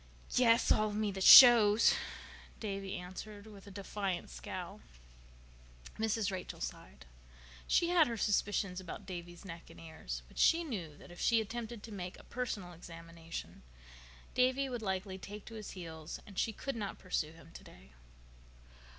"Yes—all of me that shows," Davy answered with a defiant scowl. Mrs. Rachel sighed. She had her suspicions about Davy's neck and ears. But she knew that if she attempted to make a personal examination Davy would likely take to his heels and she could not pursue him today.